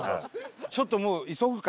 ちょっともう急ぐか。